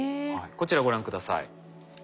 こちらご覧下さい。